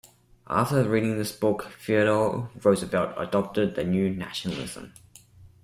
After reading this book, Theodore Roosevelt adopted the New Nationalism.